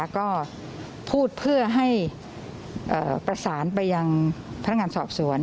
ก็พูดเพื่อให้ประสานไปยังพนักงานสอบสวน